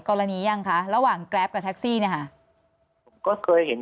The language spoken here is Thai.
หรือยังคะระหว่างแกรปกับแท็กซี่เนี่ยค่ะผมก็เคยเห็น